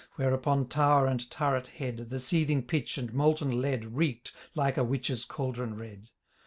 Where upon tower and turret head. The seething pitch and molten lead Reek'd, like a witch's cauldron red.